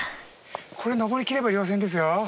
これ登りきれば稜線ですよ。